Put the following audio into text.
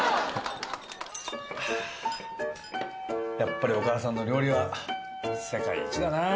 やっぱりお母さんの料理は世界一だな。